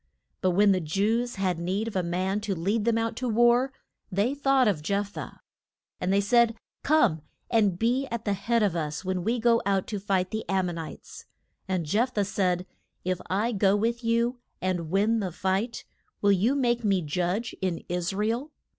But when the Jews had need of a man to lead them out to war, they thought of Jeph thah. And they said, Come, and be at the head of us when we go out to fight the Am mon ites. And Jeph thah said, If I go with you, and win the fight, will you make me judge in Is ra el?